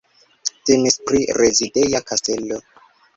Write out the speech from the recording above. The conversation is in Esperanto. Temis pri rezideja kastelo.